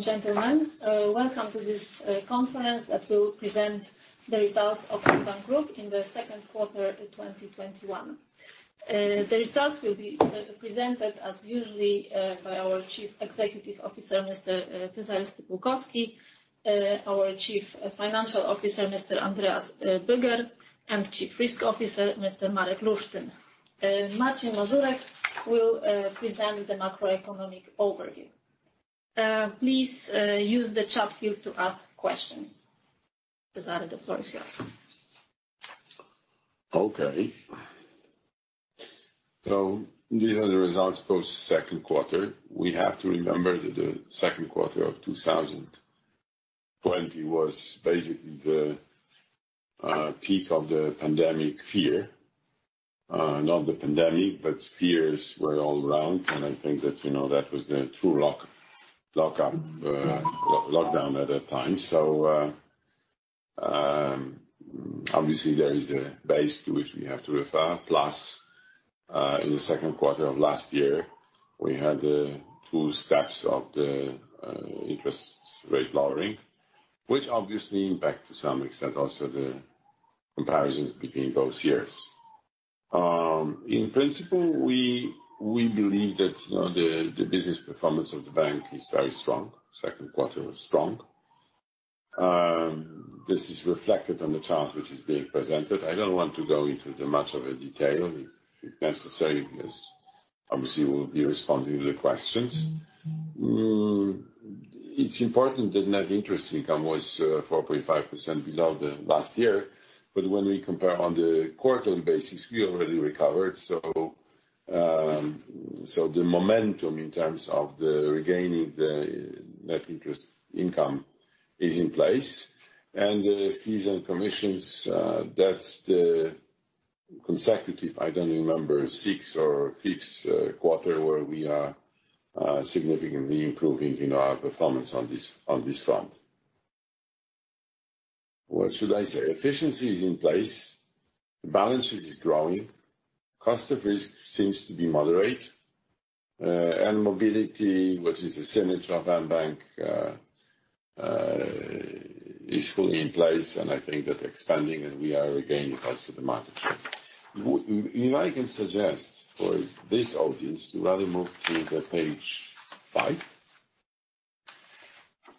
Gentlemen, welcome to this conference that will present the Results of mBank Group in the Second Quarter of 2021. The results will be presented as usually, by our Chief Executive Officer, Mr. Cezary Stypułkowski, our Chief Financial Officer, Mr. Andreas Böger, and Chief Risk Officer, Mr. Marek Lusztyn. Marcin Mazurek will present the macroeconomic overview. Please use the chat field to ask questions. Cezary, the floor is yours. Okay. These are the results for second quarter. We have to remember that the second quarter of 2020 was basically the peak of the pandemic fear. Not the pandemic, but fears were all around, and I think that was the true lockdown at that time. Obviously there is a base to which we have to refer, plus, in the second quarter of last year, we had two steps of the interest rate lowering, which obviously impact to some extent, also the comparisons between those years. In principle, we believe that the business performance of mBank is very strong. Second quarter was strong. This is reflected on the chart which is being presented. I don't want to go into much of a detail. If necessary, yes, obviously we'll be responding to the questions. It's important that net interest income was 4.5% below the last year, but when we compare on the quarterly basis, we already recovered, so the momentum in terms of the regaining the net interest income is in place. The fees and commissions, that's the consecutive, I don't remember, six or fifth quarter where we are significantly improving in our performance on this front. What should I say? Efficiency is in place. The balance sheet is growing. Cost of risk seems to be moderate. Mobility, which is the signature of mBank, is fully in place, and I think that expanding and we are regaining also the market share. If I can suggest for this audience to rather move to the page five.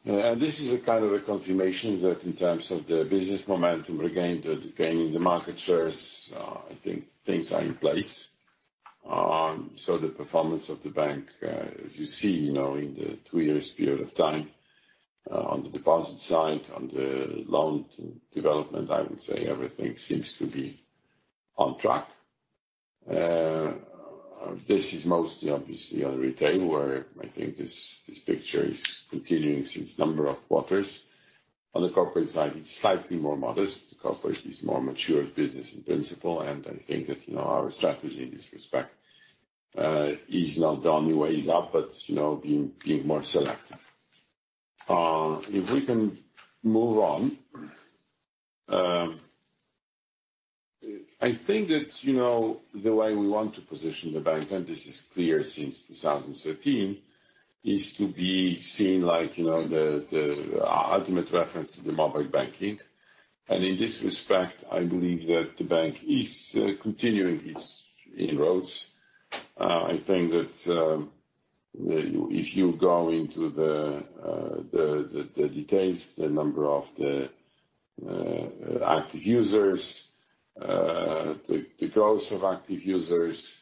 This is a kind of a confirmation that in terms of the business momentum regained, gaining the market shares, I think things are in place. The performance of the bank, as you see in the three years period of time, on the deposit side, on the loan development, I would say everything seems to be on track. This is mostly obviously on retail, where I think this picture is continuing since number of quarters. On the corporate side, it's slightly more modest. The corporate is more mature business in principle, and I think that our strategy in this respect is not the only way is up, but being more selective. If we can move on. I think that the way we want to position the bank, and this is clear since 2013, is to be seen like the ultimate reference to the mobile banking. In this respect, I believe that the bank is continuing its inroads. I think that if you go into the details, the number of the active users, the growth of active users,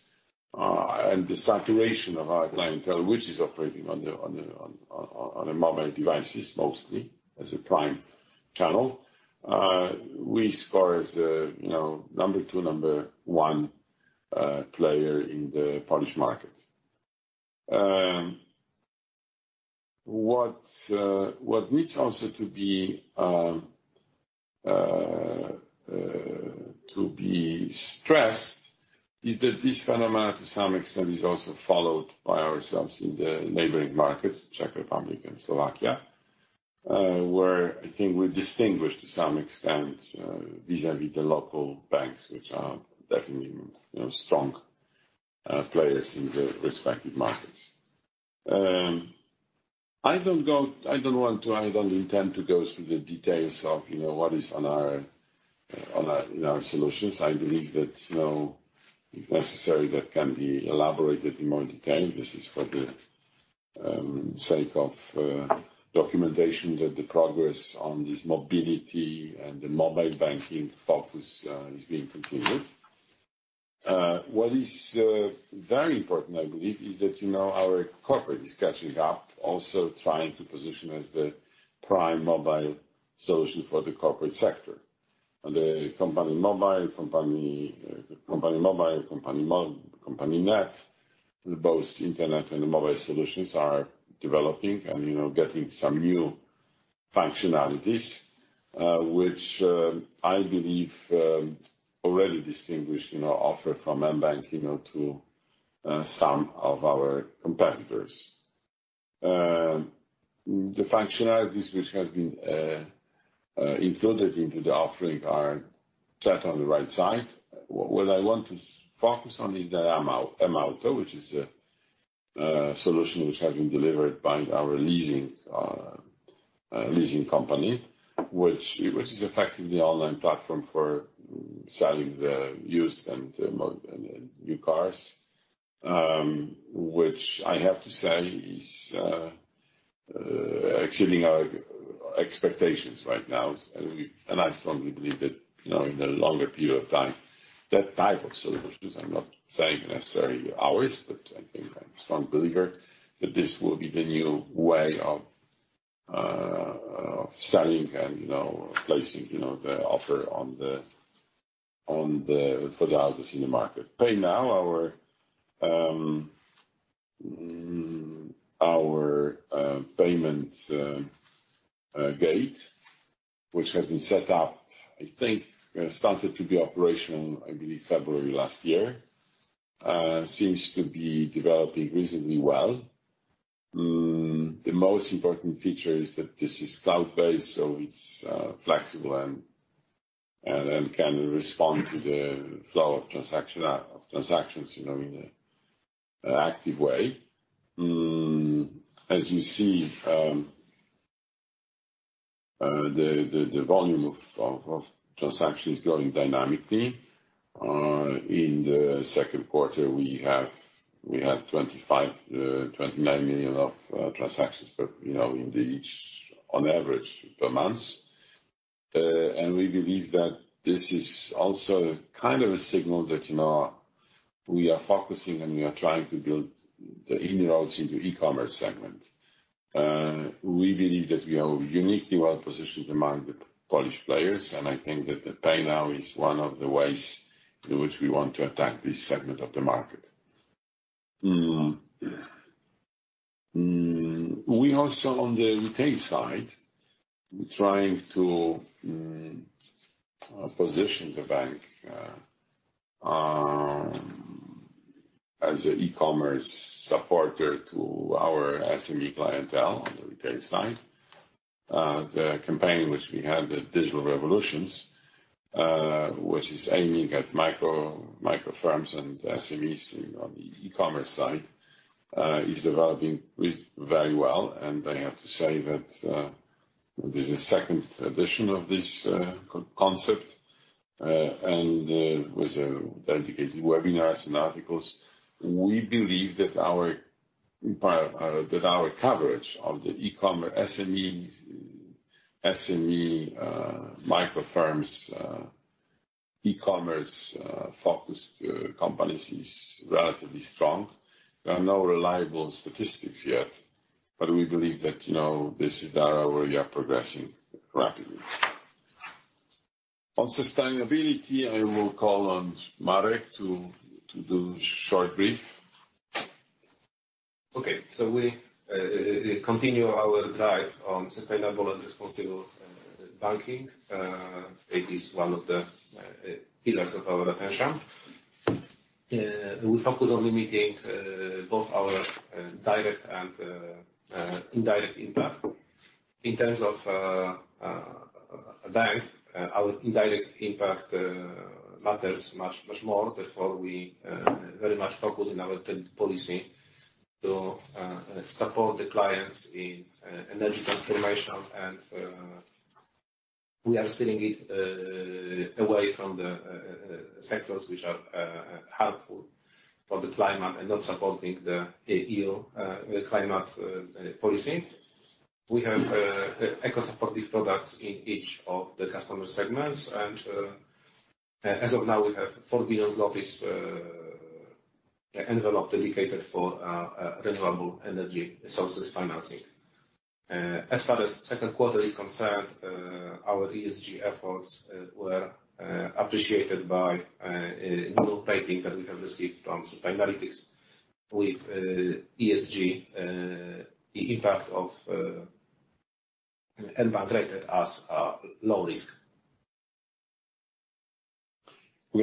and the saturation of our clientele, which is operating on the mobile devices mostly as a prime channel, we score as the number two, number one player in the Polish market. What needs also to be stressed is that this phenomenon, to some extent, is also followed by ourselves in the neighboring markets, Czech Republic and Slovakia, where I think we're distinguished to some extent vis-à-vis the local banks, which are definitely strong players in the respective markets. I don't intend to go through the details of what is in our solutions. I believe that if necessary, that can be elaborated in more detail. This is for the sake of documentation that the progress on this mobility and the mobile banking focus is being continued. What is very important, I believe, is that our corporate is catching up, also trying to position as the prime mobile solution for the corporate sector. On the mBank CompanyMobile, mBank CompanyNet, both internet and mobile solutions are developing and getting some new functionalities, which I believe already distinguish our offer from mBank to some of our competitors. The functionalities which have been included into the offering are set on the right side. What I want to focus on is the mAuto, which is a solution which has been delivered by our leasing company, which is effectively the online platform for selling the used and new cars. Which I have to say is exceeding our expectations right now. I strongly believe that, in the longer period of time, that type of solutions, I'm not saying necessarily ours, but I think I'm a strong believer that this will be the new way of selling and placing the offer for the autos in the market. PayNow, our payment gateway, which has been set up, I think started to be operational, I believe February last year, seems to be developing reasonably well. The most important feature is that this is cloud-based, so it's flexible and can respond to the flow of transactions in an active way. As you see, the volume of transactions growing dynamically. In the second quarter, we had 29 million of transactions on average per month. We believe that this is also kind of a signal that we are focusing and we are trying to build the in-roads into e-commerce segment. We believe that we are uniquely well-positioned among the Polish players, and I think that the PayNow is one of the ways in which we want to attack this segment of the market. We also, on the retail side, trying to position the bank as an e-commerce supporter to our SME clientele on the retail side. The campaign which we had, the Digital Revolutions, which is aiming at micro firms and SMEs on the e-commerce side, is developing very well. I have to say that this is second edition of this concept, and with dedicated webinars and articles. We believe that our coverage of the SME, micro firms, e-commerce-focused companies is relatively strong. There are no reliable statistics yet, but we believe that this is the area where we are progressing rapidly. On sustainability, I will call on Marek to do short brief. Okay. We continue our drive on sustainable and responsible banking. It is one of the pillars of our attention. We focus on limiting both our direct and indirect impact. In terms of mBank, our indirect impact matters much more. Therefore, we very much focus in our policy to support the clients in energy transformation, and we are steering it away from the sectors which are harmful for the climate and not supporting the E.U. climate policy. We have eco-supportive products in each of the customer segments, and as of now, we have 4 billion zlotys envelope dedicated for renewable energy sources financing. As far as second quarter is concerned, our ESG efforts were appreciated by a new rating that we have received from Sustainalytics with ESG impact of mBank rated as low risk.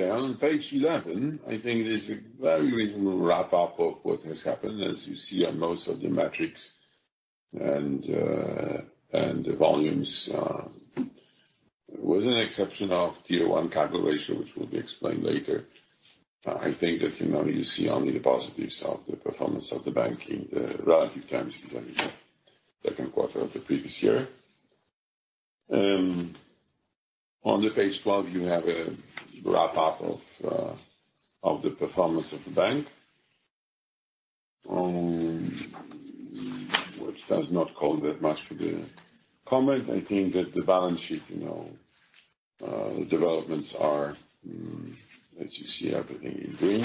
On page 11, I think there's a very reasonable wrap-up of what has happened, as you see on most of the metrics and the volumes, with an exception of Tier 1 capital ratio, which will be explained later. You see only the positives of the performance of the banking, the relative terms vis-à-vis second quarter of the previous year. On the page 12, you have a wrap-up of the performance of the bank, which does not call that much for the comment. The balance sheet developments are, as you see, everything in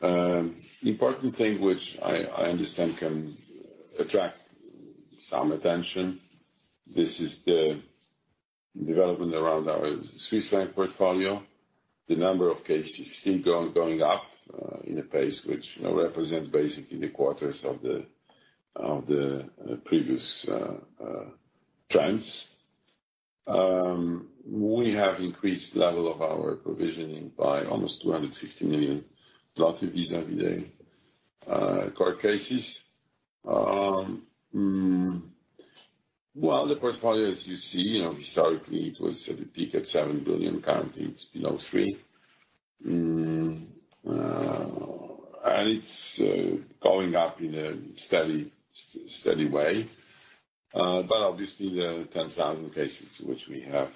green. Important thing which I understand can attract some attention, this is the development around our Swiss franc portfolio. The number of cases still going up in a pace which represents basically the quarters of the previous trends. We have increased level of our provisioning by almost 250 million vis-à-vis the court cases. Well, the portfolio, as you see, historically, it was at the peak at 7 billion. Currently, it's below 3. It's going up in a steady way. Obviously the 10,000 cases which we have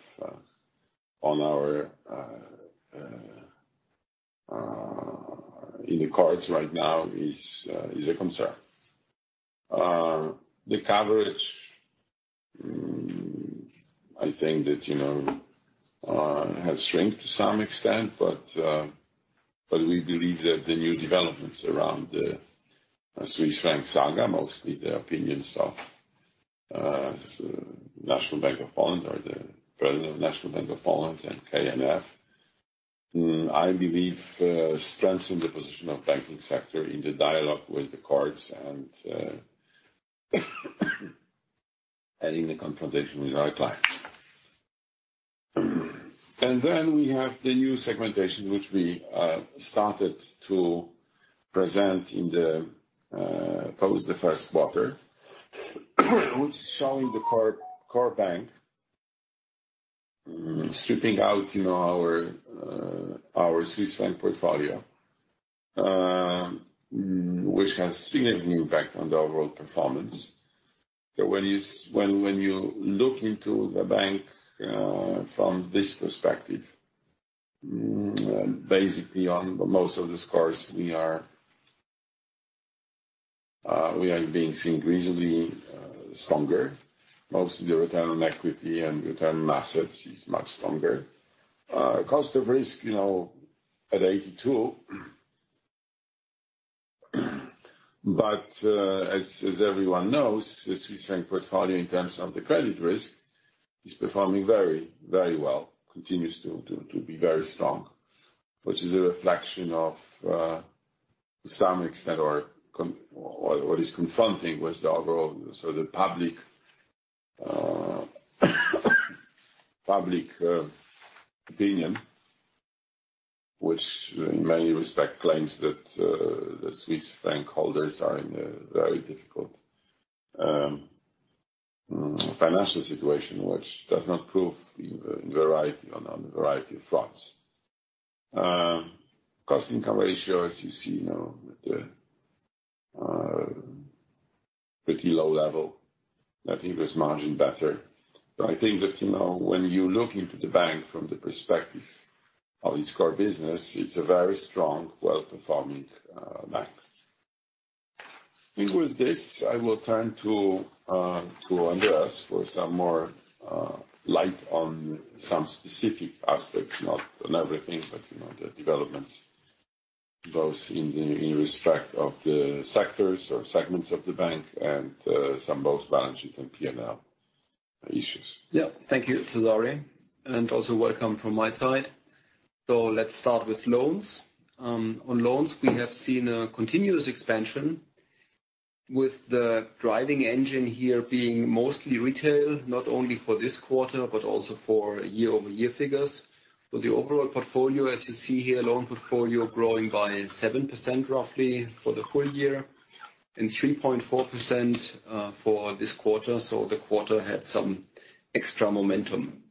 in the courts right now is a concern. The coverage, I think that has shrinked to some extent, but we believe that the new developments around the Swiss franc saga, mostly the opinions of National Bank of Poland or the president of National Bank of Poland and KNF, I believe, strengthen the position of banking sector in the dialogue with the courts and adding the confrontation with our clients. We have the new segmentation which we started to present in the, probably it was the first quarter, which is showing the core bank stripping out our Swiss franc portfolio, which has significant impact on the overall performance. When you look into the bank from this perspective, basically on most of these scores, we are being seen reasonably stronger. Most of the return on equity and return on assets is much stronger. Cost of risk at 82. As everyone knows, the Swiss franc portfolio in terms of the credit risk, is performing very well. Continues to be very strong, which is a reflection of, to some extent, or what is confronting with the overall public opinion, which in many respect claims that the Swiss franc holders are in a very difficult financial situation, which does not prove on a variety of fronts. Cost-income ratio as you see now at a pretty low level. Net interest margin better. I think that when you look into the bank from the perspective of its core business, it's a very strong, well-performing bank. I think with this, I will turn to Andreas for some more light on some specific aspects, not on everything, but the developments both in respect of the sectors or segments of the bank and some both balance sheet and P&L issues. Yeah. Thank you, Cezary, and also welcome from my side. Let's start with loans. On loans, we have seen a continuous expansion with the driving engine here being mostly retail, not only for this quarter, but also for year-over-year figures. For the overall portfolio, as you see here, loan portfolio growing by 7% roughly for the whole year and 3.4% for this quarter. The quarter had some extra momentum.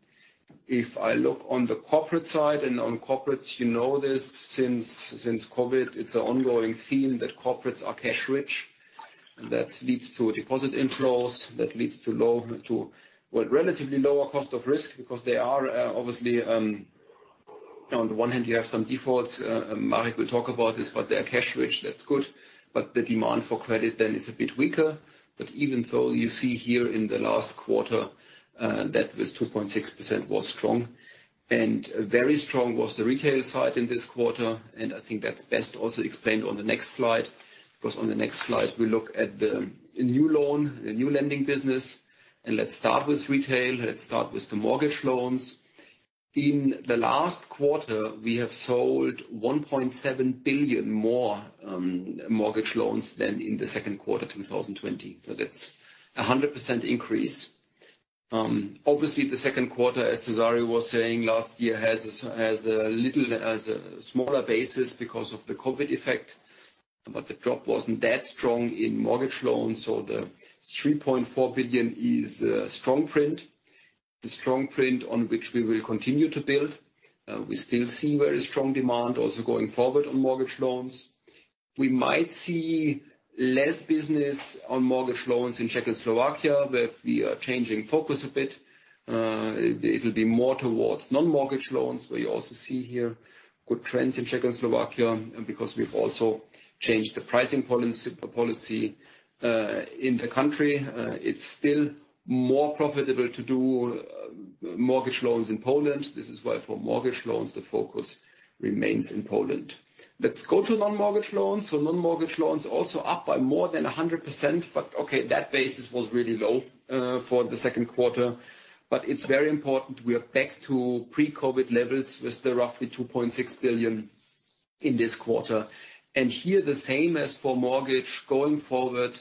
If I look on the corporate side and on corporates, you know this since COVID, it's an ongoing theme that corporates are cash rich. That leads to deposit inflows, that leads to relatively lower cost of risk because they are obviously, on the one hand you have some defaults. Marek will talk about this, but they are cash rich, that's good, but the demand for credit then is a bit weaker. Even though you see here in the last quarter, that was 2.6% was strong, and very strong was the retail side in this quarter. I think that's best also explained on the next slide, because on the next slide we look at the new loan, the new lending business. Let's start with retail. Let's start with the mortgage loans. In the last quarter, we have sold 1.7 billion more mortgage loans than in the second quarter 2020. That's 100% increase. Obviously, the second quarter, as Cezary was saying, last year has a smaller basis because of the COVID effect. The drop wasn't that strong in mortgage loans, so the 3.4 billion is a strong print. The strong print on which we will continue to build. We still see very strong demand also going forward on mortgage loans. We might see less business on mortgage loans in Czech and Slovakia, where we are changing focus a bit. It will be more towards non-mortgage loans, where you also see here good trends in Czech and Slovakia. Because we've also changed the pricing policy in the country, it's still more profitable to do mortgage loans in Poland. This is why for mortgage loans, the focus remains in Poland. Let's go to non-mortgage loans. Non-mortgage loans also up by more than 100%, but okay, that basis was really low for the second quarter. It's very important we are back to pre-COVID levels with the roughly 2.6 billion in this quarter. Here, the same as for mortgage, going forward,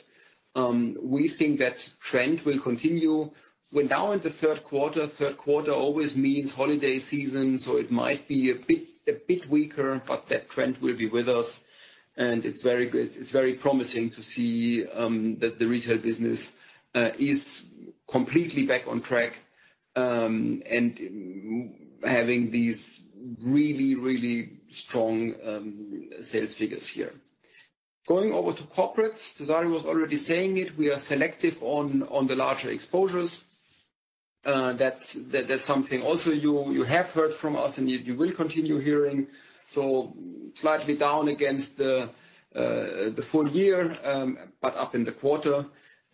we think that trend will continue. We're now in the third quarter. Third quarter always means holiday season, so it might be a bit weaker, but that trend will be with us, and it's very promising to see that the retail business is completely back on track, and having these really, really strong sales figures here. Going over to corporates. Cezary was already saying it, we are selective on the larger exposures. That's something also you have heard from us, and you will continue hearing. Slightly down against the full year, but up in the quarter.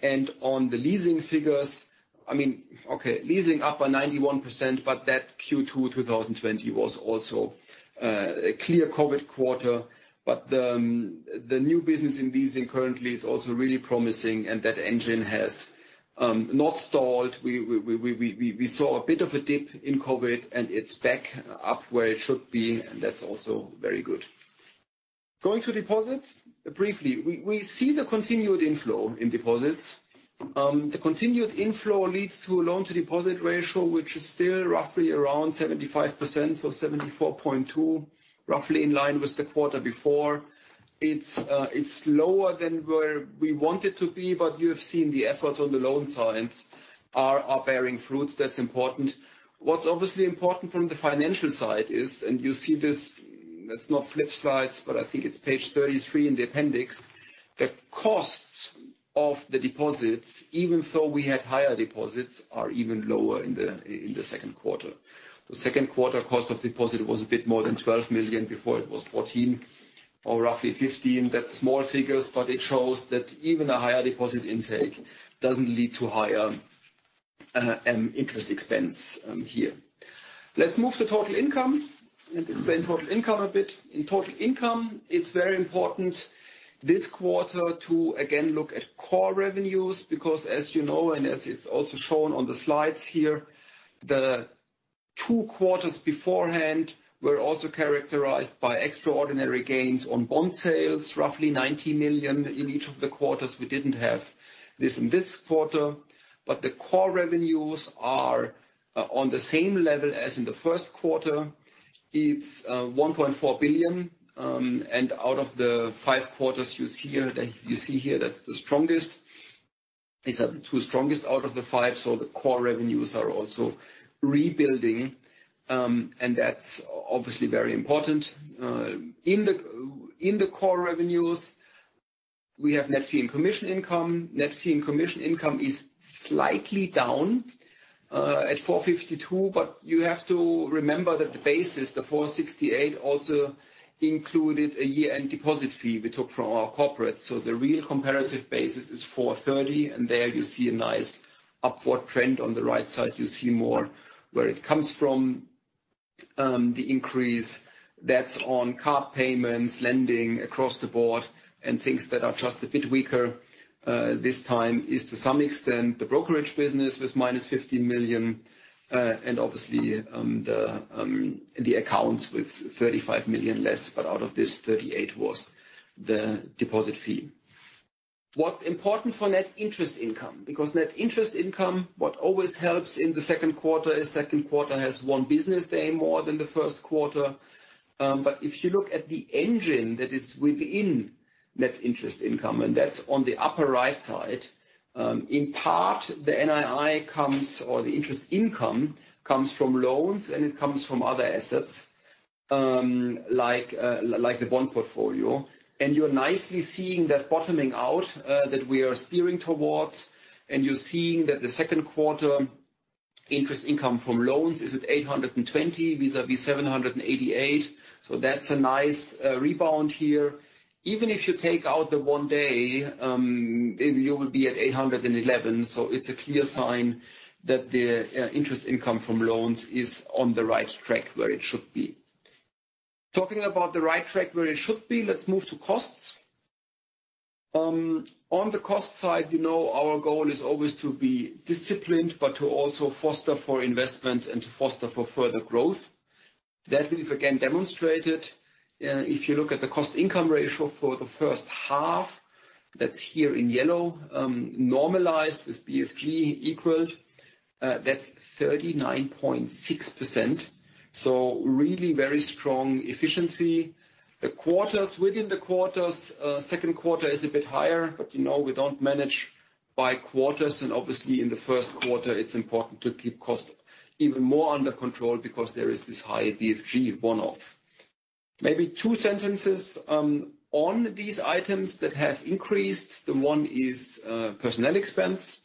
On the leasing figures, okay, leasing up by 91%, but that Q2 2020 was also a clear COVID quarter. The new business in leasing currently is also really promising, and that engine has not stalled. We saw a bit of a dip in COVID, and it's back up where it should be, and that's also very good. Going to deposits briefly. We see the continued inflow in deposits. The continued inflow leads to a loan-to-deposit ratio, which is still roughly around 75%, so 74.2%, roughly in line with the quarter before. It's lower than where we want it to be, but you have seen the efforts on the loan side are bearing fruits. That's important. What's obviously important from the financial side is, and you see this, let's not flip slides, but I think it's page 33 in the appendix. The cost of the deposits, even though we had higher deposits, are even lower in the second quarter. The second quarter cost of deposit was a bit more than 12 million. Before it was 14 or roughly 15. That's small figures, but it shows that even a higher deposit intake doesn't lead to higher interest expense here. Let's move to total income and explain total income a bit. In total income, it is very important this quarter to again look at core revenues, because as you know, and as it is also shown on the slides here, the two quarters beforehand were also characterized by extraordinary gains on bond sales, roughly 90 million in each of the quarters. We didn't have this in this quarter, but the core revenues are on the same level as in the first quarter. It is 1.4 billion. Out of the five quarters you see here, that's the strongest. It is the two strongest out of the five, so the core revenues are also rebuilding, and that's obviously very important. In the core revenues, we have net fee and commission income. Net fee and commission income is slightly down at 452, but you have to remember that the base is the 468 also included a year-end deposit fee we took from our corporate. The real comparative base is 430, and there you see a nice upward trend on the right side. You see more where it comes from, the increase. That's on card payments, lending across the board, and things that are just a bit weaker. This time is to some extent the brokerage business with -15 million, and obviously, the accounts with 35 million less, but out of this, 38 was the deposit fee. What's important for net interest income? Net interest income, what always helps in the second quarter is second quarter has one business day more than the first quarter. If you look at the engine that is within net interest income, and that's on the upper right side. In part, the NII comes or the interest income comes from loans, and it comes from other assets like the bond portfolio. You're nicely seeing that bottoming out that we are steering towards. You're seeing that the second quarter interest income from loans is at 820 vis-à-vis 788. That's a nice rebound here. Even if you take out the one day, you will be at 811. It's a clear sign that the interest income from loans is on the right track where it should be. Talking about the right track where it should be, let's move to costs. On the cost side, you know our goal is always to be disciplined, but to also foster for investment and to foster for further growth. That we've again demonstrated. If you look at the cost-income ratio for the first half, that's here in yellow, normalized with BFG equaled, that's 39.6%. Really very strong efficiency. The quarters within the quarters, second quarter is a bit higher. We don't manage by quarters. Obviously, in the first quarter, it's important to keep cost even more under control because there is this high BFG one-off. Maybe two sentences on these items that have increased. The one is personnel expense.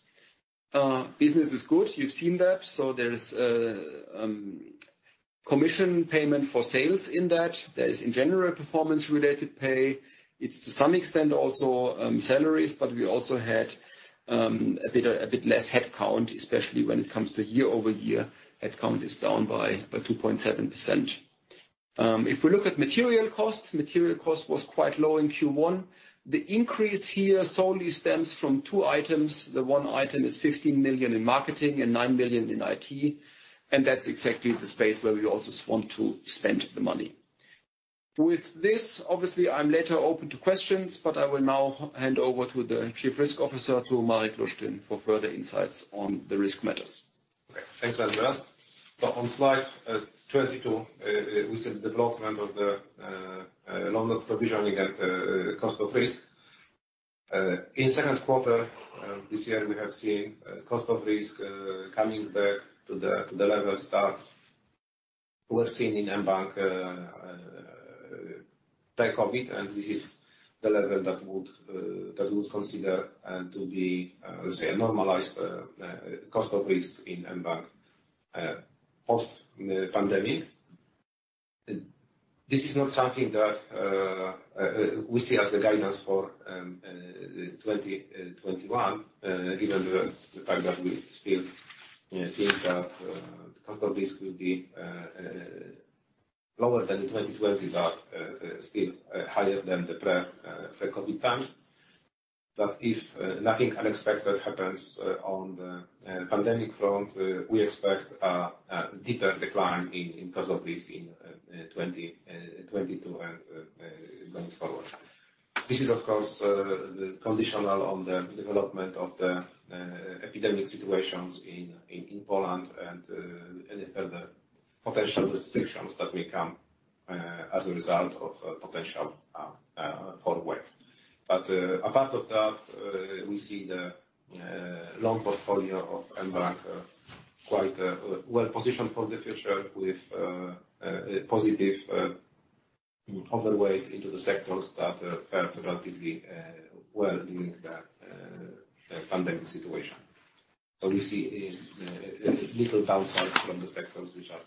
Business is good. You've seen that. There is commission payment for sales in that. There is in general performance-related pay. It's to some extent also salaries. We also had a bit less headcount, especially when it comes to year-over-year. Headcount is down by 2.7%. If we look at material cost, material cost was quite low in Q1. The increase here solely stems from two items. The one item is 15 million in marketing and 9 million in IT. That's exactly the space where we also want to spend the money. With this, obviously, I'm later open to questions, but I will now hand over to the Chief Risk Officer, to Marek Lusztyn for further insights on the risk matters. Okay. Thanks, Andreas. On slide 22, we see the development of the loan loss provisioning at cost of risk. In second quarter this year, we have seen cost of risk coming back to the level that we're seeing in mBank pre-COVID. This is the level that we would consider to be, let's say, a normalized cost of risk in mBank post-pandemic. This is not something that we see as the guidance for 2021, given the fact that we still think that cost of risk will be lower than in 2020, but still higher than the pre-COVID times. If nothing unexpected happens on the pandemic front, we expect a deeper decline in cost of risk in 2022 and going forward. This is of course conditional on the development of the epidemic situations in Poland and any further potential restrictions that may come as a result of potential fourth wave. Apart of that, we see the loan portfolio of mBank quite well-positioned for the future with a positive overweight into the sectors that fared relatively well in the pandemic situation. We see a little downside from the sectors which are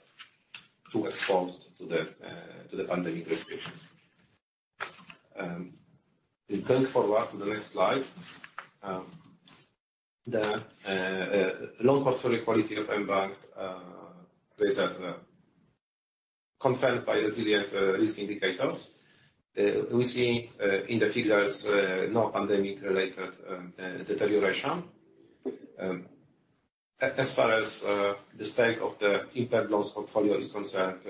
too exposed to the pandemic restrictions. Going forward to the next slide, the loan portfolio quality of mBank is confirmed by resilient risk indicators. We see in the figures no pandemic related deterioration. As far as the state of the impaired loans portfolio is concerned,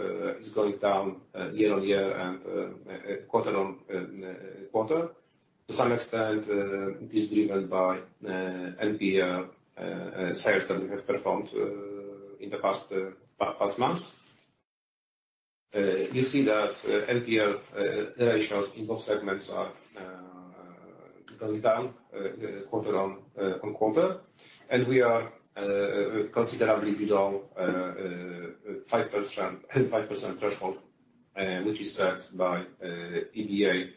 it's going down year on year and quarter on quarter. To some extent, it is driven by NPL sales that we have performed in the past months. You see that NPL ratios in both segments are going down quarter-on-quarter. We are considerably below 5% threshold, which is set by EBA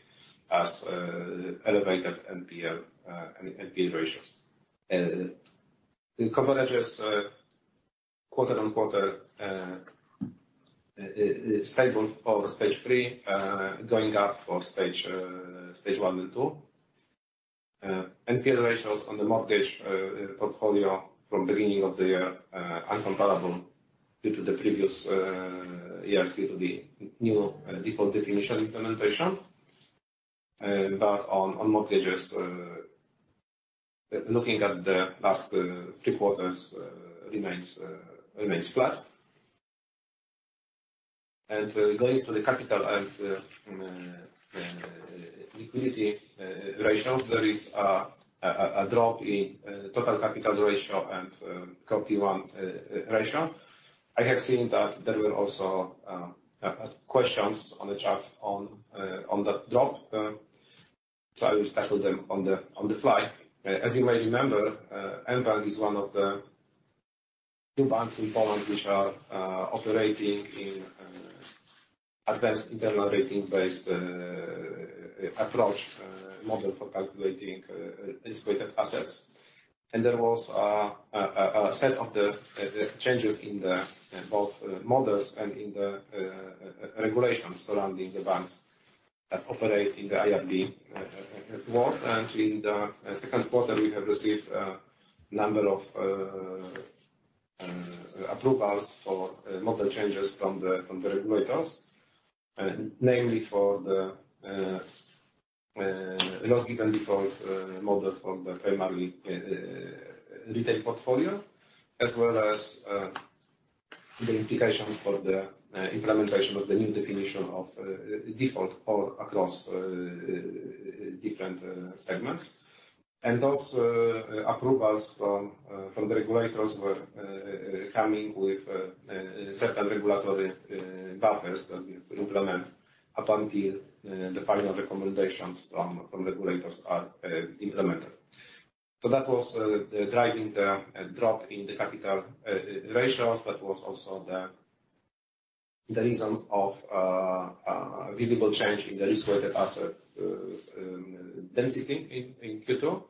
as elevated NPL ratios. In coverages, quarter-on-quarter, it's stable for stage three, going up for stage one and two. NPL ratios on the mortgage portfolio from the beginning of the year are incomparable due to the previous years due to the new definition of default implementation. On mortgages, looking at the last three quarters, remains flat. Going to the capital and liquidity ratios, there is a drop in total capital ratio and CET1 ratio. I have seen that there were also questions on the chat on that drop. I will tackle them on the fly. As you may remember, mBank is one of the two banks in Poland which are operating in advanced internal rating-based approach model for calculating its weighted assets. There was a set of the changes in both models and in the regulations surrounding the banks that operate in the IRB world. In the second quarter, we have received a number of approvals for model changes from the regulators, namely for the loss given default model for the primarily retail portfolio, as well as the implications for the implementation of the new definition of default or across different segments. Those approvals from the regulators were coming with certain regulatory buffers that we implement up until the final recommendations from regulators are implemented. That was driving the drop in the capital ratios. That was also the reason of a visible change in the risk-weighted asset density in Q2.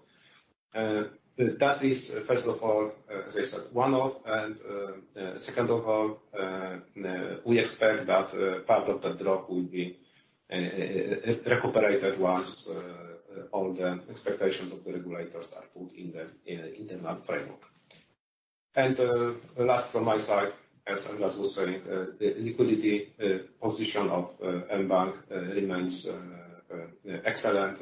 That is, first of all, as I said, one-off, and second of all, we expect that part of that drop will be recuperated once all the expectations of the regulators are put in the internal framework. Last from my side, as Andreas was saying, the liquidity position of mBank remains excellent.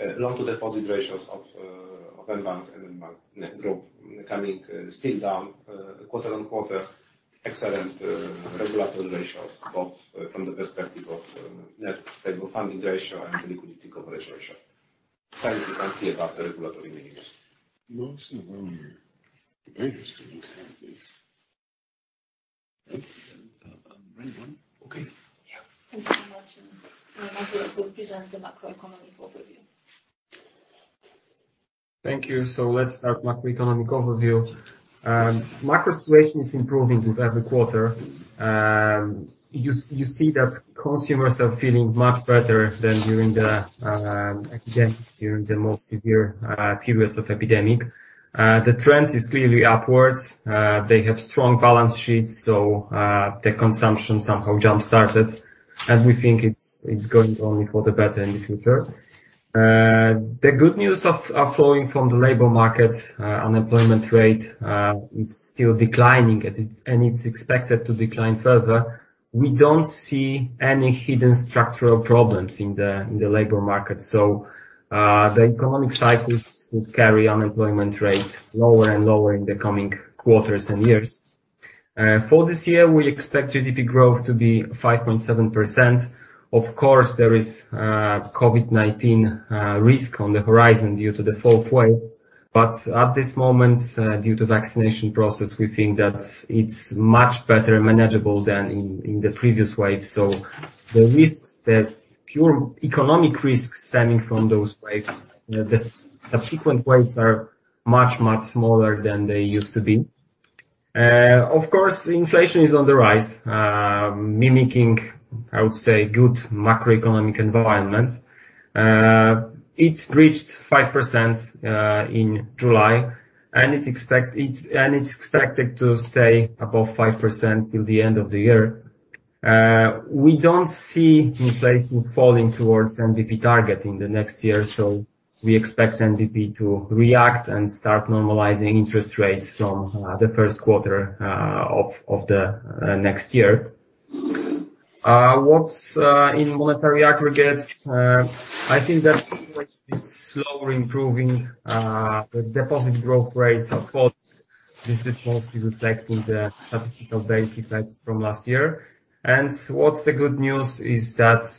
loan-to-deposit ratios of mBank and mBank Group coming still down quarter on quarter. Excellent regulatory ratios, both from the perspective of net stable funding ratio and the liquidity coverage ratio. Significantly above the regulatory minimums. No, it's around here. Okay, then. Okay. Yeah. Thank you very much. Marcin will present the macroeconomy overview. Thank you. Let's start macroeconomic overview. Macro situation is improving with every quarter. You see that consumers are feeling much better than during the most severe periods of epidemic. The trend is clearly upwards. They have strong balance sheets, so the consumption somehow jump-started, and we think it's going only for the better in the future. The good news are flowing from the labor market. Unemployment rate is still declining, and it's expected to decline further. We don't see any hidden structural problems in the labor market, so the economic cycles should carry unemployment rate lower and lower in the coming quarters and years. For this year, we expect GDP growth to be 5.7%. Of course, there is COVID-19 risk on the horizon due to the fourth wave, but at this moment, due to vaccination process, we think that it's much better manageable than in the previous wave. The pure economic risks stemming from those waves, the subsequent waves are much, much smaller than they used to be. Of course, inflation is on the rise, mimicking, I would say, good macroeconomic environment. It reached 5% in July, and it's expected to stay above 5% till the end of the year. We don't see inflation falling towards NBP target in the next year, so we expect NBP to react and start normalizing interest rates from the first quarter of the next year. What's in monetary aggregates? I think that situation is slowly improving. The deposit growth rates have fallen. This is mostly reflecting the statistical base effects from last year. What's the good news is that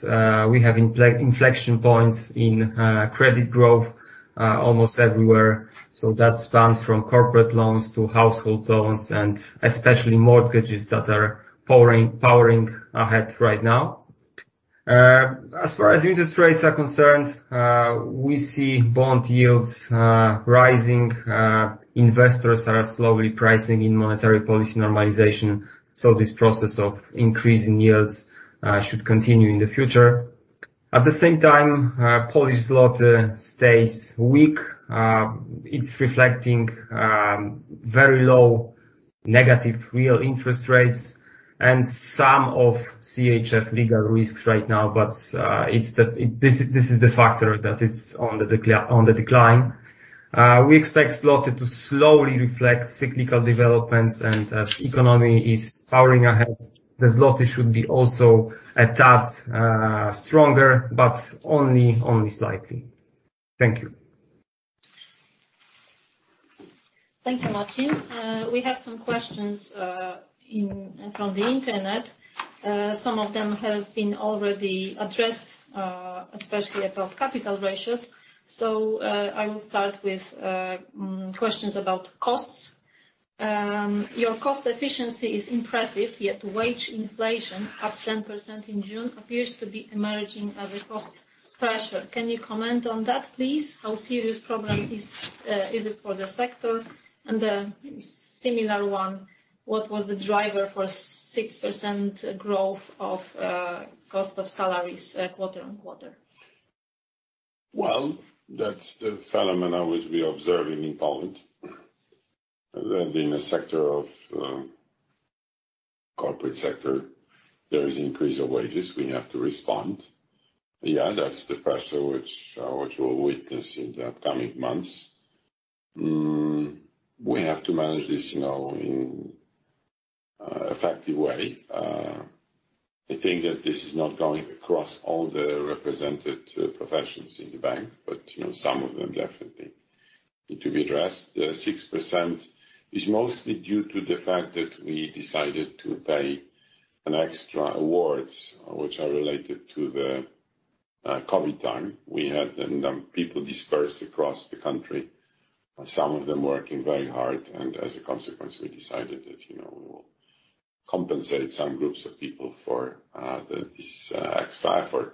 we have inflection points in credit growth almost everywhere. That spans from corporate loans to household loans and especially mortgages that are powering ahead right now. As far as interest rates are concerned, we see bond yields rising. Investors are slowly pricing in monetary policy normalization, so this process of increase in yields should continue in the future. At the same time, Polish zloty stays weak. It's reflecting very low negative real interest rates and some of CHF legal risks right now, but this is the factor that is on the decline. We expect zloty to slowly reflect cyclical developments. As economy is powering ahead, the zloty should be also adapts stronger, but only slightly. Thank you. Thank you, Marcin. We have some questions from the internet. Some of them have been already addressed, especially about capital ratios. I will start with questions about costs. Your cost efficiency is impressive, yet wage inflation, up 10% in June, appears to be emerging as a cost pressure. Can you comment on that, please? A similar one, what was the driver for 6% growth of cost of salaries quarter-on-quarter? That's the phenomenon which we're observing in Poland. In the corporate sector, there is increase of wages. We have to respond. That's the pressure which we'll witness in the upcoming months. We have to manage this in effective way. I think that this is not going across all the represented professions in the bank, but some of them definitely need to be addressed. The 6% is mostly due to the fact that we decided to pay an extra awards which are related to the COVID time. We had people dispersed across the country, some of them working very hard, as a consequence, we decided that we will compensate some groups of people for this extra effort.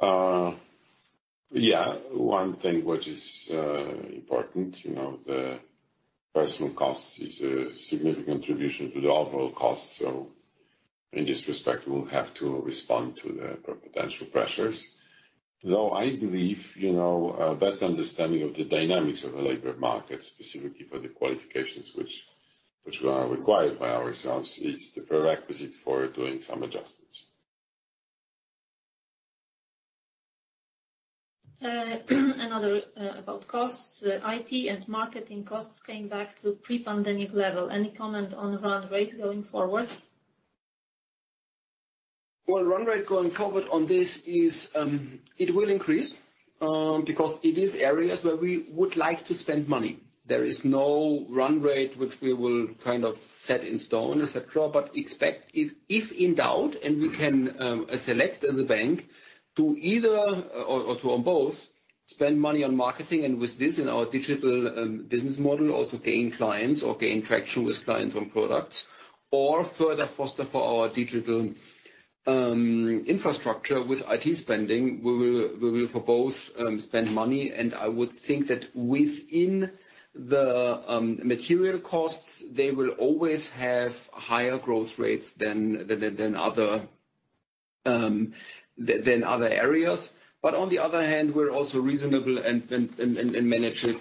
One thing which is important, the personal cost is a significant contribution to the overall cost. In this respect, we will have to respond to the potential pressures. I believe a better understanding of the dynamics of the labor market, specifically for the qualifications which were required by ourselves, is the prerequisite for doing some adjustments. Another about costs. IT and marketing costs came back to pre-pandemic level. Any comment on run rate going forward? Well, run rate going forward on this is, it will increase, because it is areas where we would like to spend money. There is no run rate which we will set in stone, et cetera. Expect if in doubt, and we can select as a bank to either or to on both spend money on marketing and with this in our digital business model, also gain clients or gain traction with clients on products or further foster for our digital infrastructure with IT spending. We will for both spend money. I would think that within the material costs, they will always have higher growth rates than other areas. On the other hand, we're also reasonable and manage it,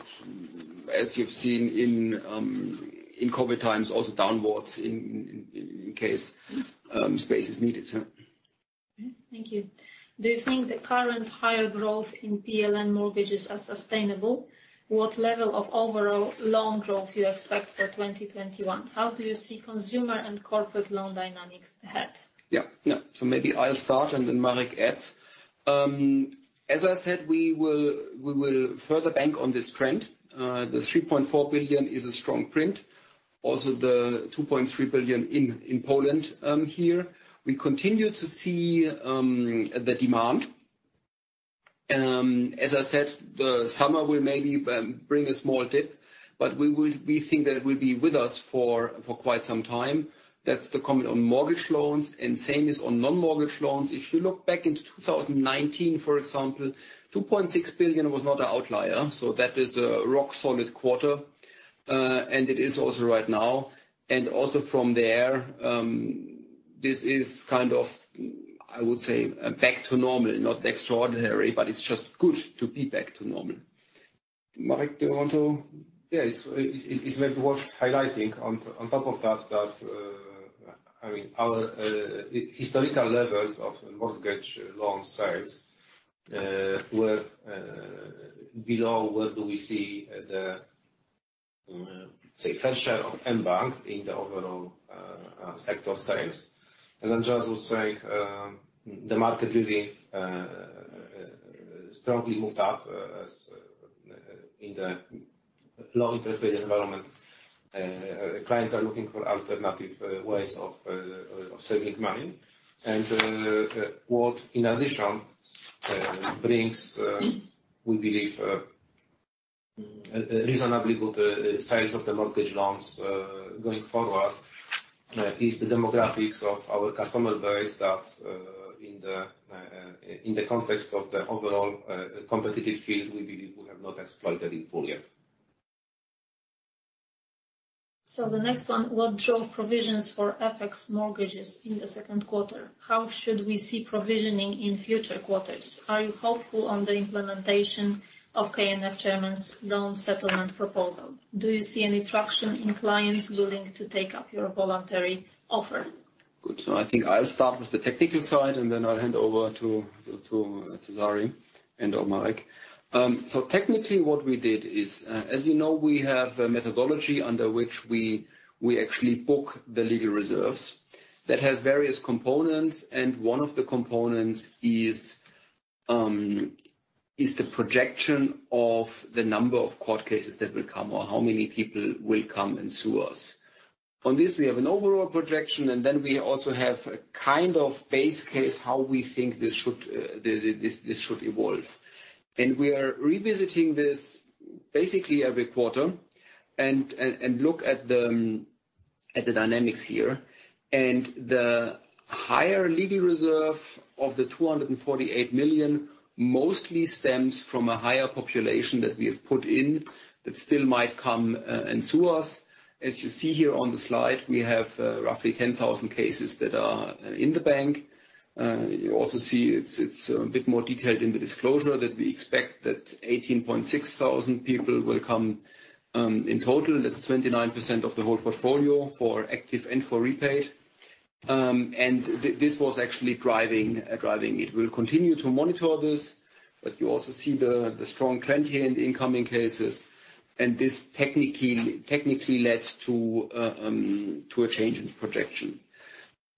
as you've seen in COVID times also downwards in case space is needed. Okay. Thank you. Do you think the current higher growth in PLN mortgages are sustainable? What level of overall loan growth do you expect for 2021? How do you see consumer and corporate loan dynamics ahead? Maybe I'll start and then Marek adds. As I said, we will further bank on this trend. The 3.4 billion is a strong print. The 2.3 billion in Poland here. We continue to see the demand. As I said, the summer will maybe bring a small dip, we think that it will be with us for quite some time. That's the comment on mortgage loans and same is on non-mortgage loans. If you look back into 2019, for example, 2.6 billion was not an outlier. That is a rock-solid quarter, and it is also right now. Also from there, this is, I would say, back to normal, not extraordinary, but it's just good to be back to normal. Marek, do you want to? It's maybe worth highlighting on top of that, our historical levels of mortgage loan sales were below where do we see the, say, fair share of mBank in the overall sector of sales. As Andreas was saying, the market really strongly moved up as in the low interest rate environment. Clients are looking for alternative ways of saving money. What, in addition, brings, we believe, reasonably good sales of the mortgage loans going forward is the demographics of our customer base that in the context of the overall competitive field, we believe we have not exploited in full yet. The next one, what drove provisions for FX mortgages in the second quarter? How should we see provisioning in future quarters? Are you hopeful on the implementation of KNF chairman's loan settlement proposal? Do you see any traction in clients willing to take up your voluntary offer? Good. I think I'll start with the technical side, and then I'll hand over to Cezary and/or Marek. Technically what we did is, as you know, we have a methodology under which we actually book the legal reserves that has various components, and one of the components is the projection of the number of court cases that will come or how many people will come and sue us. On this, we have an overall projection, and then we also have a base case how we think this should evolve. We are revisiting this basically every quarter and look at the dynamics here. The higher legal reserve of the 248 million mostly stems from a higher population that we have put in that still might come and sue us. As you see here on the slide, we have roughly 10,000 cases that are in the bank. You also see it's a bit more detailed in the disclosure that we expect that 18,600 people will come in total. That's 29% of the whole portfolio for active and for repaid. This was actually driving it. We'll continue to monitor this. You also see the strong trend here in the incoming cases, and this technically led to a change in projection.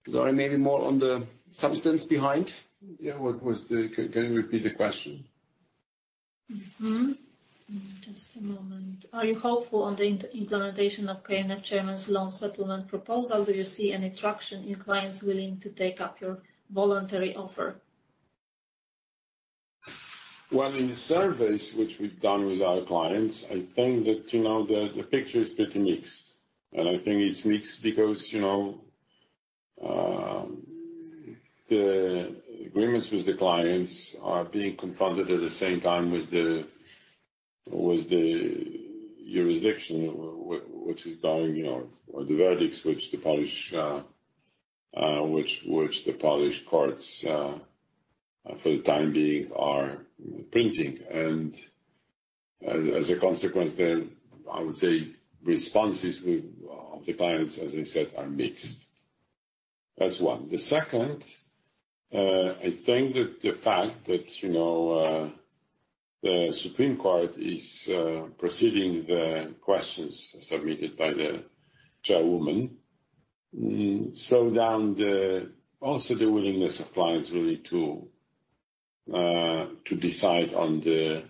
Cezary, maybe more on the substance behind. Yeah. Can you repeat the question? Just a moment. Are you hopeful on the implementation of KNF Chairman's loan settlement proposal? Do you see any traction in clients willing to take up your voluntary offer? In the surveys which we've done with our clients, I think that the picture is pretty mixed. I think it's mixed because the agreements with the clients are being confronted at the same time with the jurisdiction, which is going, or the verdicts which the Polish courts, for the time being, are printing. As a consequence, I would say responses of the clients, as I said, are mixed. That's one. The second, I think that the fact that, you know, The Supreme Court is proceeding the questions submitted by the chairwoman. This slows down also the willingness of clients really to decide on the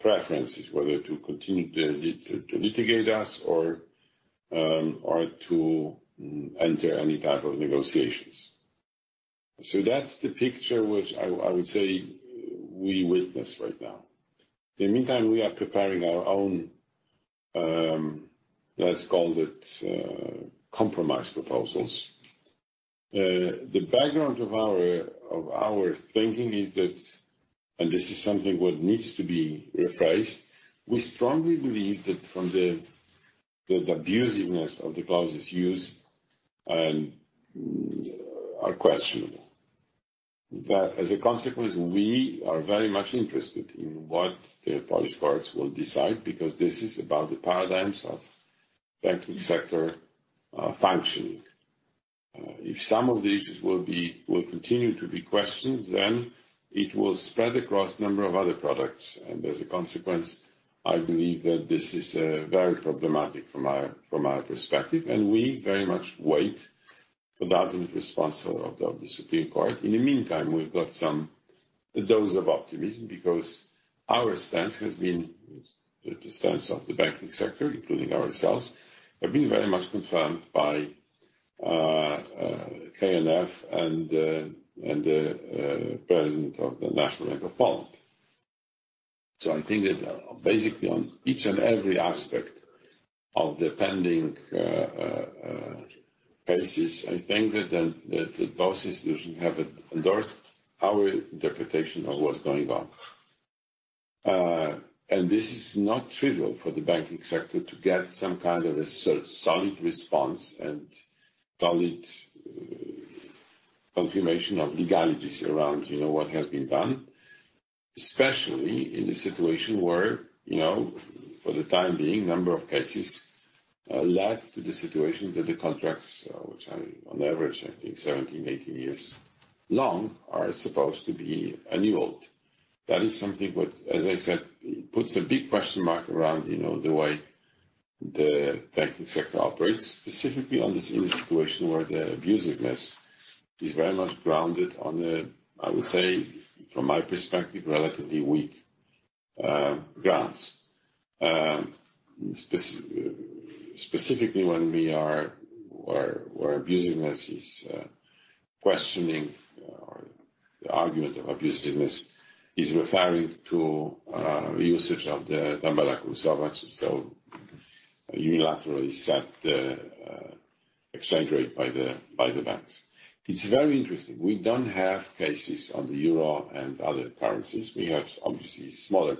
preferences, whether to continue to litigate us or to enter any type of negotiations. That's the picture which I would say we witness right now. In the meantime, we are preparing our own, let's call it, compromise proposals. The background of our thinking is that, and this is something what needs to be rephrased, we strongly believe that from the abusiveness of the clauses used are questionable. As a consequence, we are very much interested in what the Polish courts will decide, because this is about the paradigms of banking sector functioning. If some of the issues will continue to be questioned, then it will spread across a number of other products, and as a consequence, I believe that this is very problematic from our perspective, and we very much wait for that response of the Supreme Court. In the meantime, we've got some dose of optimism because our stance has been the stance of the banking sector, including ourselves, have been very much confirmed by KNF and the President of the National Bank of Poland. I think that basically on each and every aspect of the pending cases, I think that the courts usually have endorsed our interpretation of what's going on. This is not trivial for the banking sector to get some kind of a solid response and solid confirmation of legalities around what has been done, especially in the situation where, for the time being, number of cases led to the situation that the contracts, which are on average, I think 17, 18 years long, are supposed to be annulled. That is something that, as I said, puts a big question mark around the way the banking sector operates, specifically in a situation where the abusiveness is very much grounded on the, I would say, from my perspective, relatively weak grounds. Specifically when we are abusiveness is questioning or the argument of abusiveness is referring to usage of the tabela kursowa, so unilaterally set the exchange rate by the banks. It's very interesting. We don't have cases on the euro and other currencies. We have obviously smaller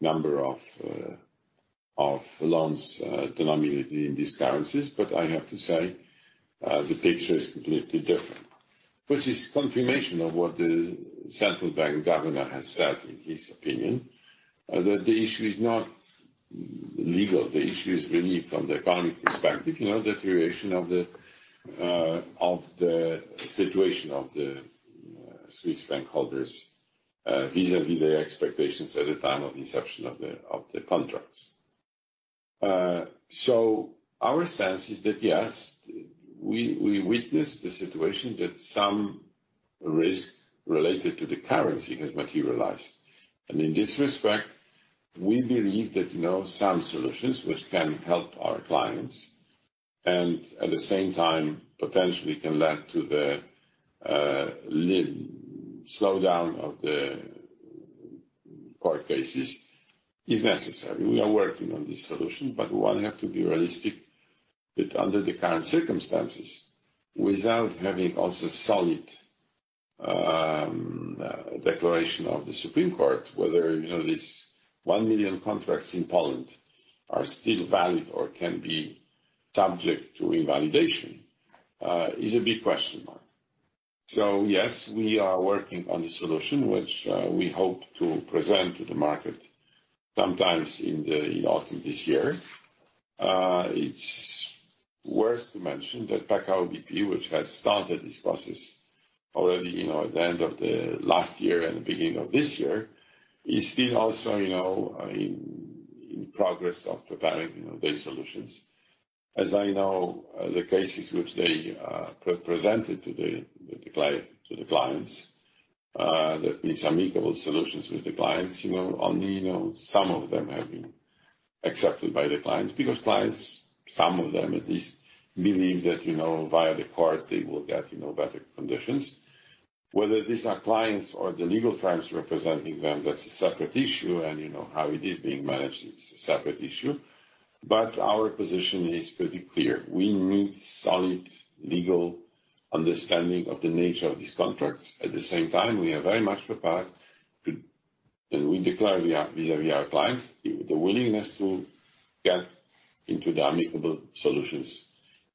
number of loans denominated in these currencies, but I have to say, the picture is completely different. Which is confirmation of what the Central Bank Governor has said, in his opinion, that the issue is not legal. The issue is really from the economic perspective, the duration of the situation of the Swiss franc holders vis-à-vis their expectations at the time of inception of the contracts. Our sense is that, yes, we witness the situation that some risk related to the currency has materialized. In this respect, we believe that some solutions which can help our clients and at the same time potentially can lead to the slowdown of the court cases is necessary. We are working on this solution, but one have to be realistic that under the current circumstances, without having also solid declaration of the Supreme Court, whether these one million contracts in Poland are still valid or can be subject to invalidation is a big question mark. Yes, we are working on the solution, which we hope to present to the market sometimes in the autumn this year. It is worth to mention that PKO BP, which has started this process already at the end of the last year and the beginning of this year, is still also in progress of preparing their solutions. As I know, the cases which they presented to the clients, that these amicable solutions with the clients, only some of them have been accepted by the clients because clients, some of them at least, believe that via the court, they will get better conditions. Whether these are clients or the legal firms representing them, that's a separate issue, and how it is being managed, it's a separate issue. Our position is pretty clear. We need solid legal understanding of the nature of these contracts. At the same time, we are very much prepared to. We declare vis-à-vis our clients, the willingness to get into the amicable solutions,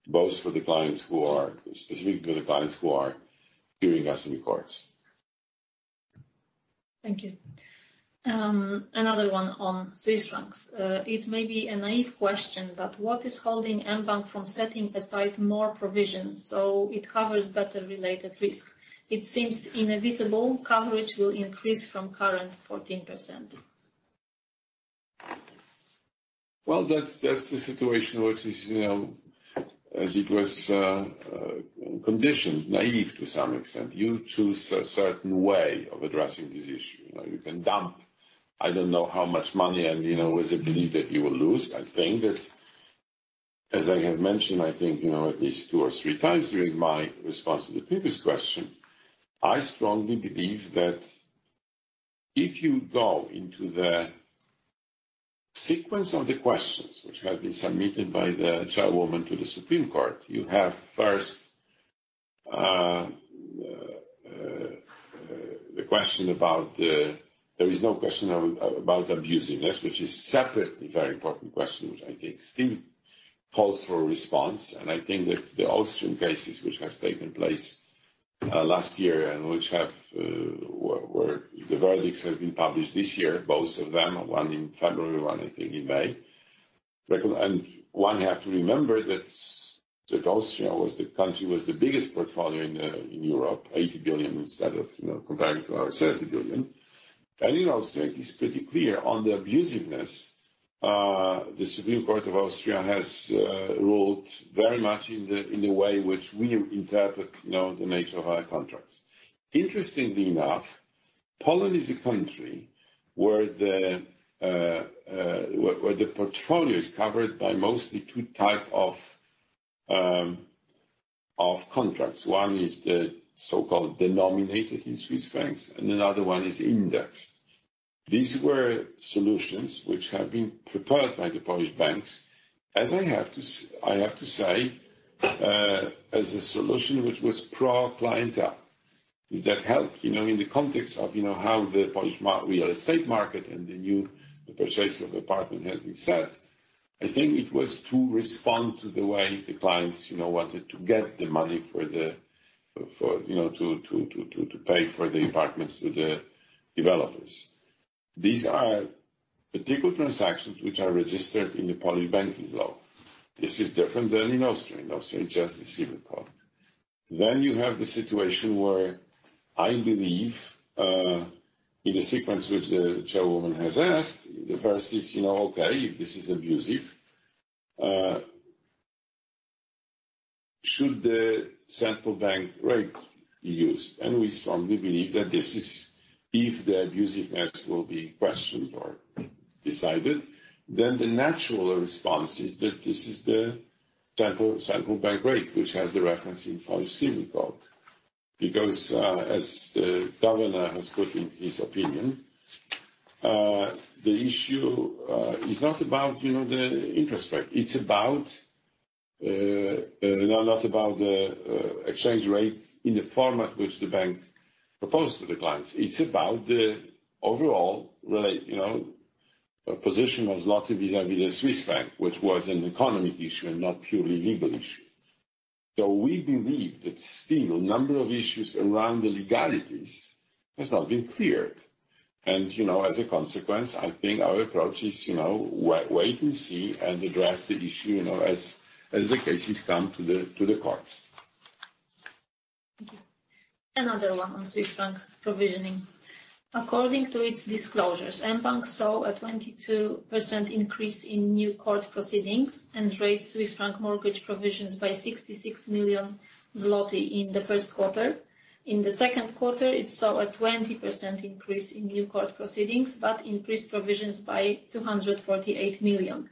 both for the clients who are, specific for the clients who are hearing us in the courts. Thank you. Another one on Swiss francs. It may be a naive question, but what is holding mBank from setting aside more provisions so it covers better related risk? It seems inevitable coverage will increase from current 14%. Well, that's the situation which is, as it was conditioned, naive to some extent. You choose a certain way of addressing this issue. You can dump, I don't know how much money, and with the belief that you will lose. I think that, as I have mentioned, I think, at least 2x or 3x during my response to the previous question, I strongly believe that if you go into the sequence of the questions which have been submitted by the Chairwoman to the Supreme Court, you have first the question about. There is no question about abusiveness, which is separately a very important question, which I think still calls for a response. I think that the Austrian cases which has taken place last year and where the verdicts have been published this year, both of them, one in February, one I think in May. One have to remember that Austria was the country with the biggest portfolio in Europe, 80 billion instead of, compared to our 30 billion. Austria is pretty clear on the abusiveness. The Supreme Court of Austria has ruled very much in the way which we interpret the nature of our contracts. Interestingly enough, Poland is a country where the portfolio is covered by mostly two types of contracts. One is the so-called denominated in Swiss francs, and another one is indexed. These were solutions which have been prepared by the Polish banks. As I have to say, as a solution, which was pro clientel. That helped in the context of how the Polish real estate market and the new purchase of apartment has been set. I think it was to respond to the way the clients wanted to get the money to pay for the apartments with the developers. These are particular transactions which are registered in the Polish banking law. This is different than in Austria. In Austria, it's just the Civil Code. You have the situation where I believe, in the sequence which the Chairwoman has asked, the first is, okay, if this is abusive, should the central bank rate be used? We strongly believe that this is if the abusiveness will be questioned or decided, the natural response is that this is the central bank rate, which has the reference in Polish Civil Code. As the Governor has put in his opinion, the issue is not about the interest rate. It's not about the exchange rate in the format which the bank proposed to the clients. It's about the overall position of zloty vis-à-vis the Swiss franc, which was an economic issue and not purely legal issue. We believe that still, a number of issues around the legalities has not been cleared. As a consequence, I think our approach is wait and see and address the issue as the cases come to the courts. Thank you. Another one on Swiss franc provisioning. According to its disclosures, mBank saw a 22% increase in new court proceedings and raised Swiss franc mortgage provisions by 66 million zloty in the first quarter. In the second quarter, it saw a 20% increase in new court proceedings, but increased provisions by 248 million.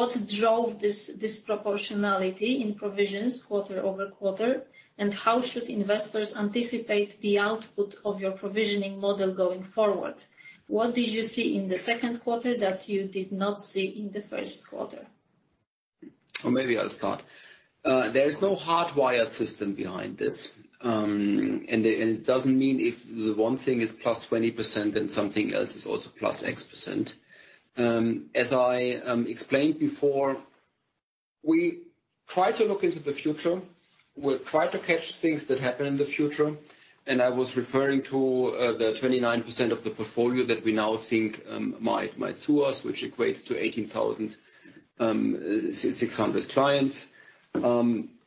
What drove this disproportionality in provisions quarter-over-quarter, and how should investors anticipate the output of your provisioning model going forward? What did you see in the second quarter that you did not see in the first quarter? Maybe I'll start. There is no hardwired system behind this. It doesn't mean if the one thing is +20%, then something else is also +X%. As I explained before, we try to look into the future. We try to catch things that happen in the future. I was referring to the 29% of the portfolio that we now think might sue us, which equates to 18,600 clients.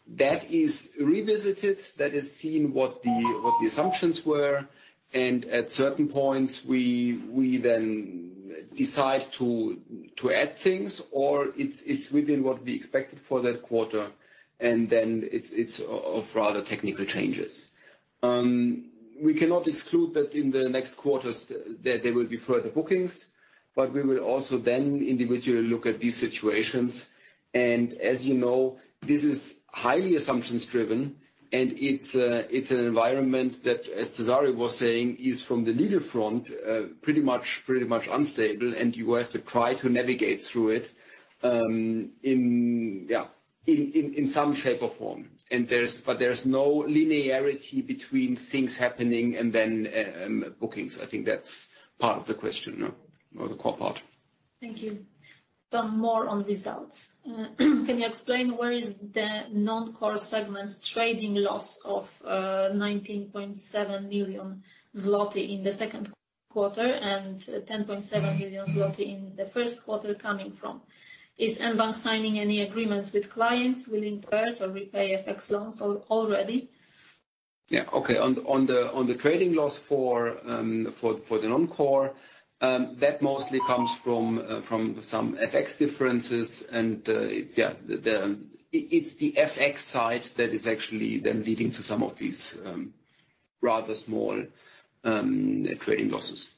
That is revisited. That is seen what the assumptions were. At certain points, we then decide to add things, or it's within what we expected for that quarter, and then it's for other technical changes. We cannot exclude that in the next quarters there will be further bookings, but we will also then individually look at these situations. As you know, this is highly assumptions-driven, and it's an environment that, as Cezary was saying, is from the legal front, pretty much unstable, and you have to try to navigate through it in some shape or form. There's no linearity between things happening and then bookings. I think that's part of the question or the core part. Thank you. Some more on results. Can you explain where is the non-core segments trading loss of 19.7 million zloty in the second quarter and 10.7 million zloty in the first quarter coming from? Is mBank signing any agreements with clients willing to hedge or repay FX loans already? Yeah. Okay. On the trading loss for the non-core, that mostly comes from some FX differences. It's the FX side that is actually then leading to some of these rather small trading losses.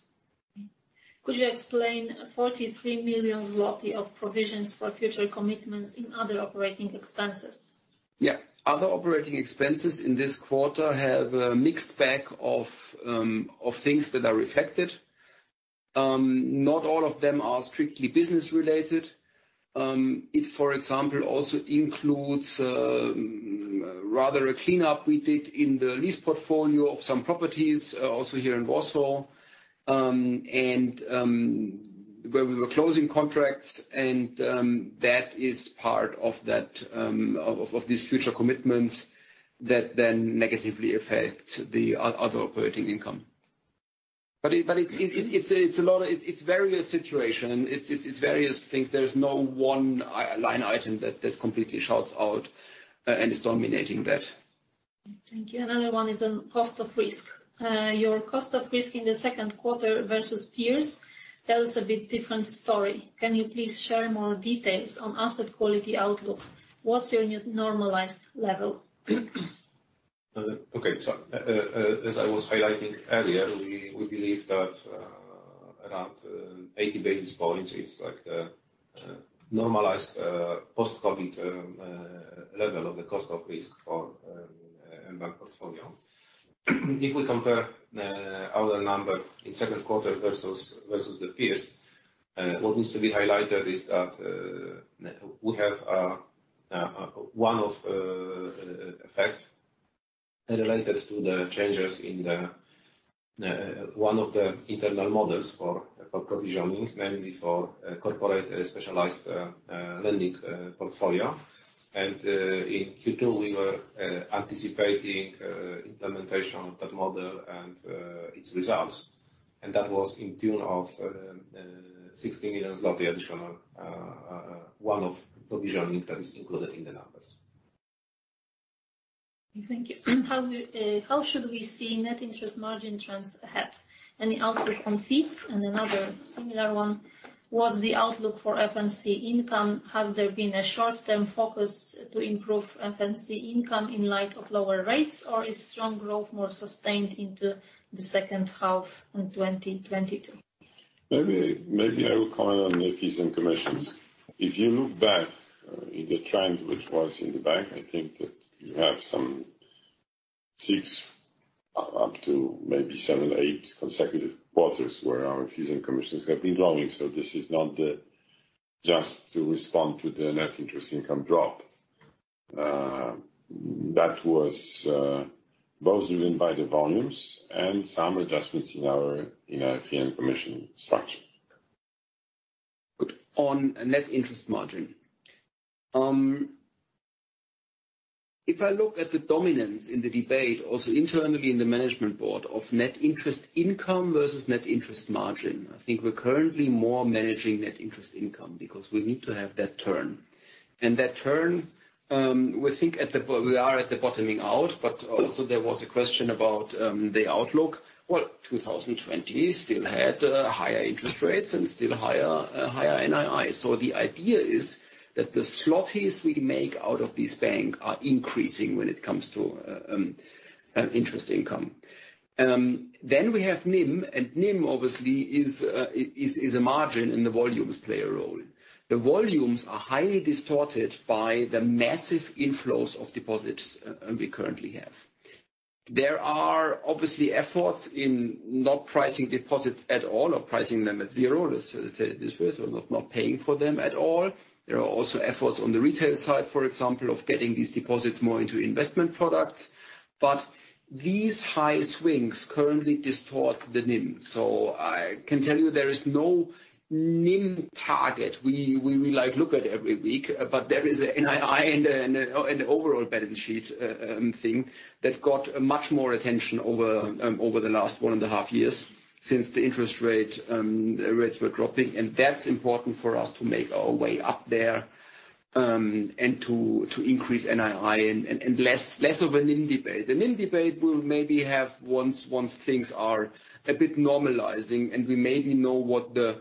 Could you explain 43 million zloty of provisions for future commitments in other operating expenses? Yeah. Other operating expenses in this quarter have a mixed bag of things that are affected. Not all of them are strictly business-related. It, for example, also includes rather a cleanup we did in the lease portfolio of some properties, also here in Warsaw, and where we were closing contracts, and that is part of these future commitments that then negatively affect the other operating income. It's various situation. It's various things. There's no one line item that completely shouts out and is dominating that. Thank you. Another one is on cost of risk. Your cost of risk in the second quarter versus peers tells a bit different story. Can you please share more details on asset quality outlook? What is your new normalized level? As I was highlighting earlier, we believe that around 80 basis points is the normalized post-COVID level of the cost of risk for mBank portfolio. If we compare our number in second quarter versus the peers, what needs to be highlighted is that we have one-off effect related to the changes in one of the internal models for provisioning, mainly for corporate specialized lending portfolio. In Q2, we were anticipating implementation of that model and its results, and that was in tune of 16 million zloty additional. One-off provisioning that is included in the numbers. Thank you. How should we see net interest margin trends ahead? Any outlook on fees? Another similar one, what's the outlook for F&C income? Has there been a short-term focus to improve F&C income in light of lower rates, or is strong growth more sustained into the second half in 2022? Maybe I will comment on the fees and commissions. If you look back in the trend which was in the bank, I think that you have some six up to maybe seven, eight consecutive quarters where our fees and commissions have been growing. This is not just to respond to the net interest income drop. That was both driven by the volumes and some adjustments in our fee and commission structure. Good. On net interest margin. If I look at the dominance in the debate, also internally in the Management Board of net interest income versus net interest margin, I think we're currently more managing net interest income because we need to have that turn. That turn, we are at the bottoming out, also there was a question about the outlook. Well, 2020 still had higher interest rates and still higher NII. The idea is that the zlotys we make out of this bank are increasing when it comes to interest income. We have NIM obviously is a margin, The volumes play a role. The volumes are highly distorted by the massive inflows of deposits we currently have. There are obviously efforts in not pricing deposits at all or pricing them at zero. Let's say it this way, not paying for them at all. There are also efforts on the retail side, for example, of getting these deposits more into investment products. These high swings currently distort the NIM. I can tell you there is no NIM target we look at every week, but there is a NII and an overall balance sheet thing that got much more attention over the last 1.5 years since the interest rates were dropping, and that's important for us to make our way up there, and to increase NII and less of a NIM debate. The NIM debate will maybe have once things are a bit normalizing, and we maybe know what the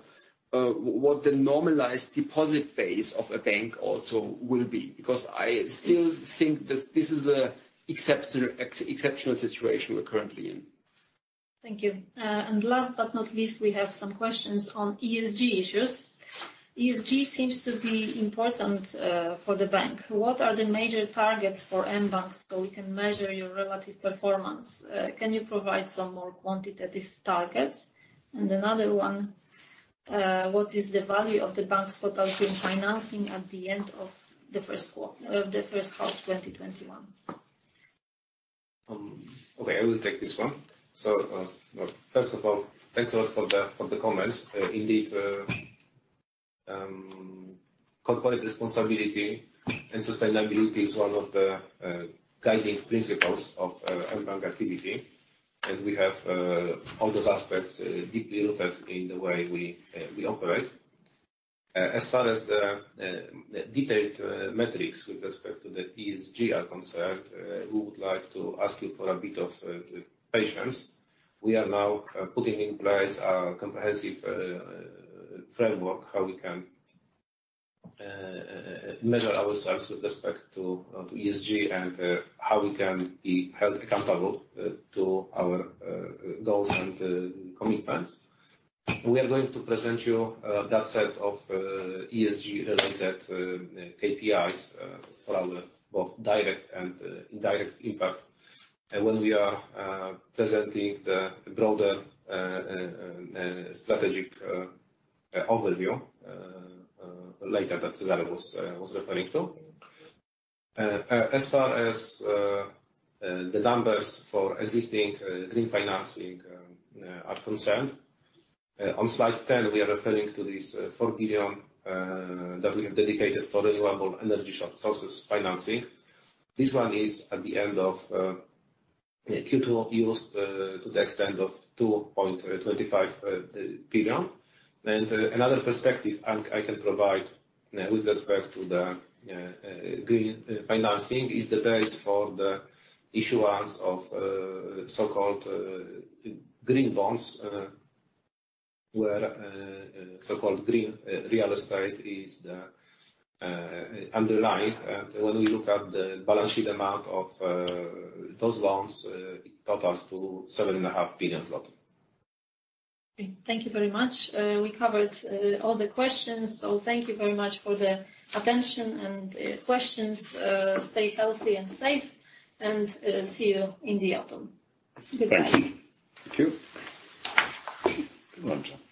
normalized deposit base of a bank also will be. I still think this is exceptional situation we're currently in. Thank you. Last but not least, we have some questions on ESG issues. ESG seems to be important for the bank. What are the major targets for mBank so we can measure your relative performance? Can you provide some more quantitative targets? Another one, what is the value of the bank's total green financing at the end of the first half 2021? I will take this one. First of all, thanks a lot for the comments. Indeed, corporate responsibility and sustainability is one of the guiding principles of our bank activity, and we have all those aspects deeply rooted in the way we operate. As far as the detailed metrics with respect to the ESG are concerned, we would like to ask you for a bit of patience. We are now putting in place a comprehensive framework how we can measure ourselves with respect to ESG and how we can be held accountable to our goals and commitments. We are going to present you that set of ESG-related KPIs for our both direct and indirect impact when we are presenting the broader strategic overview later that Cezary was referring to. As far as the numbers for existing green financing are concerned, on slide 10, we are referring to this 4 billion that we have dedicated for renewable energy sources financing. This one is at the end of Q2 used to the extent of 2.25 billion. Another perspective I can provide with respect to the green financing is the base for the issuance of so-called green bonds, where so-called green real estate is underlying. When we look at the balance sheet amount of those loans, it totals to 7.5 billion zloty. Okay. Thank you very much. We covered all the questions. Thank you very much for the attention and questions. Stay healthy and safe, and see you in the autumn. Goodbye. Thank you. Thank you. Good one.